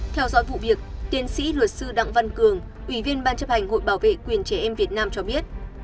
theo dõi vụ việc tiến sĩ luật sư đặng văn cường ủy viên ban chấp hành hội bảo vệ quyền trẻ em việt nam cho biết